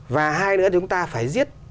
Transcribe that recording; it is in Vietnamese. và hai nữa thì chúng ta phải giết